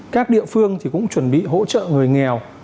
các địa phương thì cũng chuẩn bị hỗ trợ người nghèo